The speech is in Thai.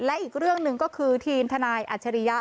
และอีกเรื่องหนึ่งก็คือทีมทนายอัจฉริยะ